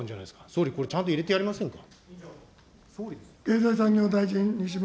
総理、これ、ちゃんと入れてやりませんか。